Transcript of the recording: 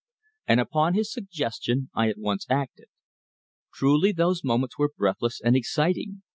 And upon his suggestion I at once acted. Truly those moments were breathless and exciting.